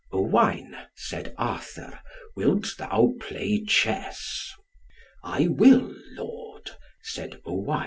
"Owain," said Arthur, "wilt thou play chess?" "I will, Lord," said Owain.